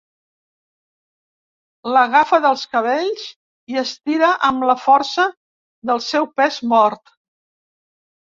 L'agafa dels cabells i estira amb la força del seu pes mort.